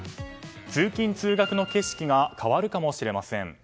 通勤・通学の景色が変わるかもしれません。